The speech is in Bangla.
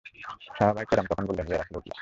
সাহাবায়ে কেরাম তখন বললেন, ইয়া রাসূলাল্লাহ!